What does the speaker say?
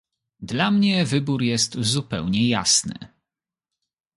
Dla mnie wybór jest zupełnie jasny